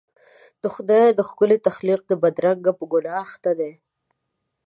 د خدای د ښکلي تخلیق د بدرنګۍ په ګناه اخته دي.